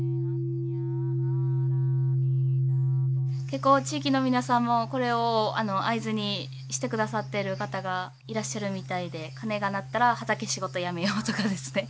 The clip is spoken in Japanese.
結構地域の皆さんもこれを合図にしてくださっている方がいらっしゃるみたいで鐘が鳴ったら畑仕事やめようとかですね。